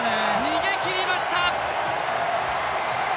逃げきりました！